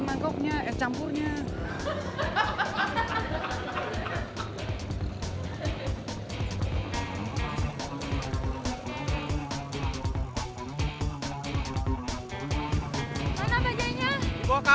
mangkuknya kan udah diambil kenapa harus dibayar